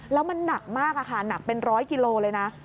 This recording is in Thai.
แล้วมันหนักมากค่ะหนักเป็นร้อยกิโลเลยนะ